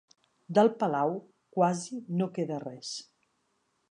Del palau quasi no queda res.